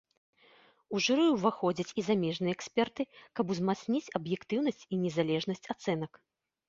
У журы ўваходзяць і замежныя эксперты, каб узмацніць аб'ектыўнасць і незалежнасць ацэнак.